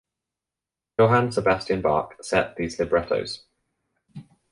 Johann Sebastian Bach set these librettos.